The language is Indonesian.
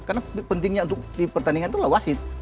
karena pentingnya untuk di pertandingan itu adalah wasit